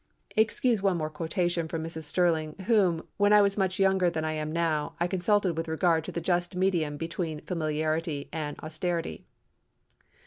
Excuse one more quotation from Mrs. Sterling, whom, when I was much younger than I am now, I consulted with regard to the just medium between familiarity and austerity.